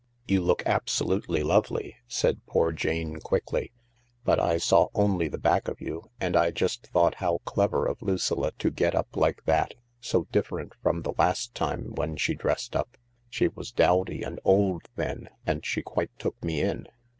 "You look absolutely lovely," said poor Jane quickly, " but I saw only the back of you; and I just thought how clever of Lucilla to get up like that— so different from the last time when she dressed up. She was dowdy and old then, and she quite took me in.